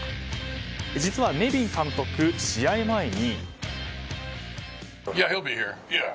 実は、ネビン監督、試合前に。